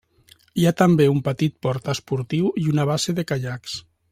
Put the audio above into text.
Hi ha també un petit port esportiu i una base de caiacs.